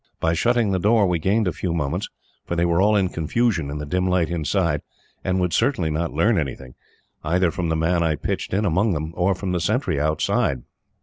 By shutting the door, we gained a few moments, for they were all in confusion in the dim light inside, and would certainly not learn anything, either from the man I pitched in among them, or from the sentry outside.